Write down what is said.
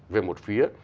về một phía